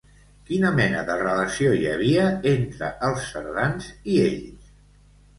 Quina mena de relació hi havia entre els cerdans i ells?